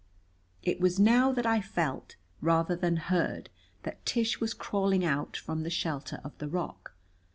It was now that I felt, rather than heard, that Tish was crawling out from the shelter of the rock.